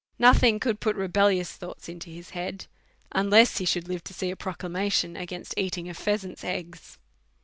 Nothing can put rebellious thoughts into his head, un less he should live to see a proclamation against eat ing of pheasant's eggs.